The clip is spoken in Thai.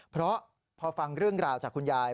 เพราะพอฟังเรื่องราวจากคุณยาย